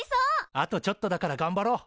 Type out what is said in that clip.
あとちょっとだからがんばろう！